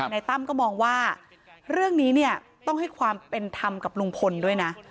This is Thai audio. นายตั้มก็มองว่าเรื่องนี้เนี่ยต้องให้ความเป็นธรรมกับลุงพลด้วยนะ